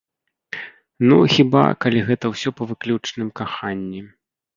Ну, хіба, калі гэта ўсё па выключным каханні.